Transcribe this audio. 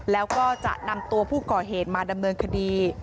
แล้วก็จะนำตัวผู้ก่อเหตุมาดำเนินคดี